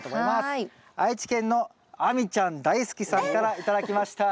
愛知県の亜美ちゃん大好きさんから頂きました。